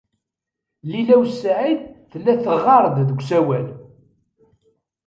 Lila u Saɛid tella teɣɣar-d deg usawal.